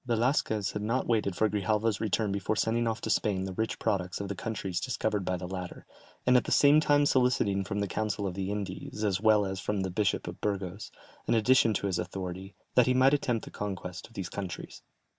Velasquez had not waited for Grijalva's return before sending off to Spain the rich products of the countries discovered by the latter, and at the same time soliciting from the council of the Indies, as well as from the Bishop of Burgos, an addition to his authority, that he might attempt the conquest of these countries.